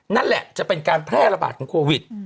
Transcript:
นั่นแหละจะเป็นการแพร่ระบาดของโควิด